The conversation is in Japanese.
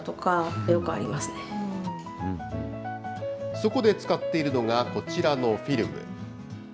そこで使っているのが、こちらのフィルム。